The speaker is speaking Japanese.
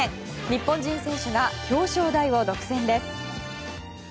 日本人選手が表彰台を独占です。